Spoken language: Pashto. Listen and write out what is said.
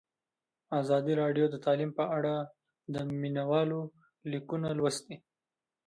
ازادي راډیو د تعلیم په اړه د مینه والو لیکونه لوستي.